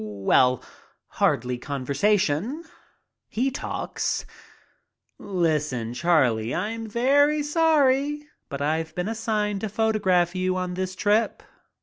Well, hardly conversation. He talks. "Listen, Charlie, I am very sorry, but I've been assigned to photograph you on this trip.